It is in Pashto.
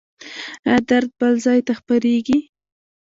ایا درد بل ځای ته خپریږي؟